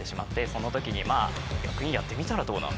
その時にまあ「役員やってみたらどうなん？」